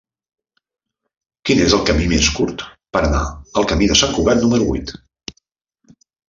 Quin és el camí més curt per anar al camí de Sant Cugat número vuit?